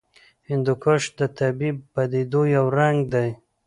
هندوکش د طبیعي پدیدو یو رنګ دی.